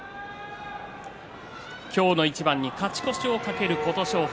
今日の一番に勝ち越しを懸ける琴勝峰。